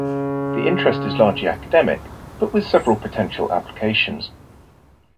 The interest is largely academic, but with several potential applications.